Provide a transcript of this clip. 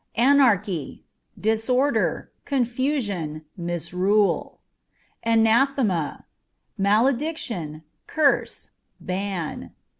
Anarchy â€" disorder, confusion, misrule. Anathema â€" malediction, curse, ban.